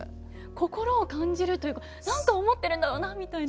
心を感じるというか何か思ってるんだろうなみたいな。